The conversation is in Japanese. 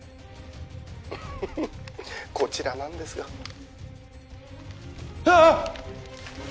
フフッこちらなんですがああっ！